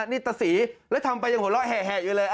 นิตศรีแล้วทำไปยังหัวเราะแห่อยู่เลย